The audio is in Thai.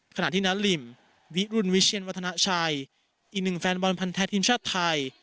ขณะที่นาริมวิรุณวิเชียนวัฒนาชัยอีกหนึ่งแฟนบอลพันธ์แท้ทีมชาติไทย